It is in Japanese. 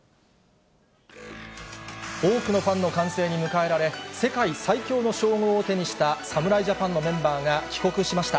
多くのファンの歓声に迎えられ、世界最強の称号を手にした侍ジャパンのメンバーが帰国しました。